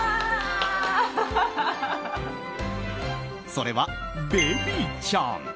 それは、ベビちゃん。